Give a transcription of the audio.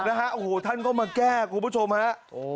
นะฮะโอ้โหท่านเข้ามาแก้กูผู้ชมฮะโอ้โห